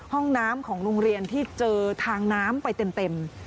ห้องน้ำของโรงเรียนที่เจอทางน้ำไปเต็ม